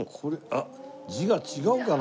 あっ字が違うかな？